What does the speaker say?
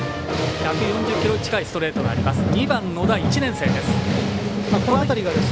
１４０キロ近いストレートがあります。